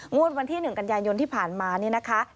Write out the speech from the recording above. วันที่๑กันยายนที่ผ่านมานี่นะคะ